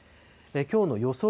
きょうの予想